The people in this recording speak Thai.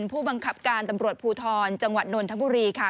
ผู้บังคับการตำรวจภูทรจังหวัดนนทบุรีค่ะ